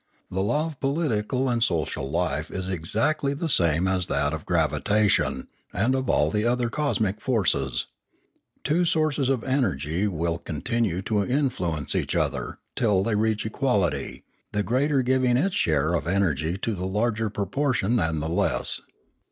The law of political and social life is exactly the same as that of gravitation and of all the other cosmic forces. Two sources of energy will con Ethics 623 tinue to influence each other, till they reach equality, the greater giving of its share of energy a larger pro portion than the less.